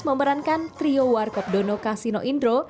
memerankan trio warkop dono kasino indro